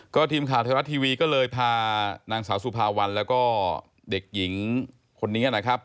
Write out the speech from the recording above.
ก็ทีมขาธรรมภาพฯทีวีก็เลยไปข้าหนูน้อยคนนี้